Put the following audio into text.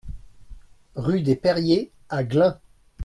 Rue des Perriers à Glun